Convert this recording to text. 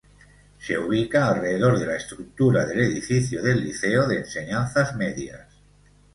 Se ubica alrededor de la estructura del edificio del Liceo de enseñanzas medias.